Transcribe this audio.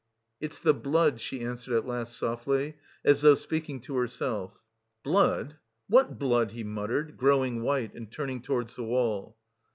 "It's the blood," she answered at last softly, as though speaking to herself. "Blood? What blood?" he muttered, growing white and turning towards the wall.